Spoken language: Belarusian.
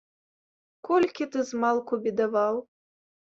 Колькі ты змалку бедаваў!